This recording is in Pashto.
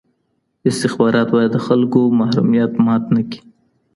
استخبارات باید د خلګو محرمیت مات نه کړي.